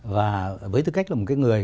và với tư cách là một người